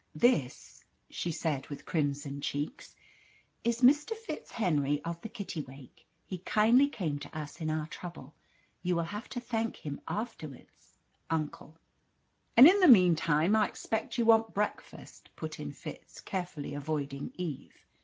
"This," she said, with crimson cheeks, "is Mr. FitzHenry of the Kittiwake. He kindly came to us in our trouble. You will have to thank him afterwards uncle." "And in the meantime I expect you want breakfast?" put in Fitz, carefully avoiding Eve.